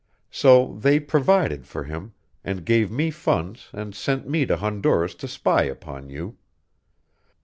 So they provided for him, and gave me funds and sent me to Honduras to spy upon you.